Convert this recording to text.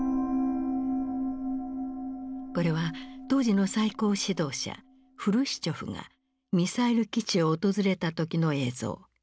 これは当時の最高指導者フルシチョフがミサイル基地を訪れた時の映像。